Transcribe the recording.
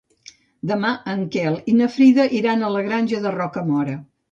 Demà en Quel i na Frida iran a la Granja de Rocamora.